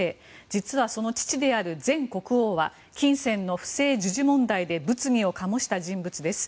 実は、その父である前国王は金銭の不正授受問題で物議をかもした人物です。